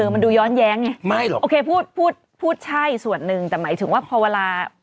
มันดูย้อนแย้งไงไม่หรอกโอเคพูดพูดใช่ส่วนหนึ่งแต่หมายถึงว่าพอเวลา